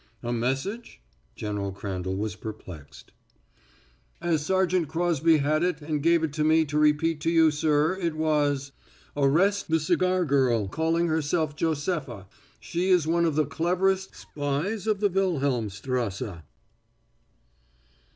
"A message?" General Crandall was perplexed. "As Sergeant Crosby had it and gave it to me to repeat to you, sir, it was, 'Arrest the cigar girl calling herself Josepha. She is one of the cleverest spies of the Wilhelmstrasse.'"